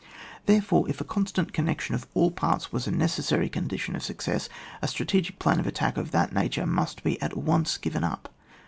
Therefore, if a constant connection of all parts was a necessary condition of success, a strategic plan of attack of that nature must be at once given up.